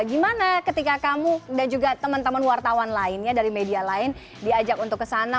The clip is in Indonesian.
gimana ketika kamu dan juga teman teman wartawan lainnya dari media lain diajak untuk kesana